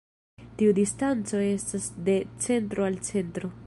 Tiu distanco estas de centro al centro.